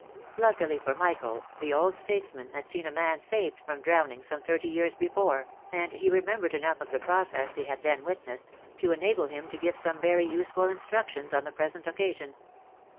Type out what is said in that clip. Luckily for Michael, the old statesman had seen a man saved from drowning some thirty years before, and he remembered enough of the process he had then witnessed, to enable him to give some very useful instructions on the present occasion.